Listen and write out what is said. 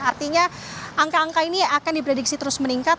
artinya angka angka ini akan diprediksi terus meningkat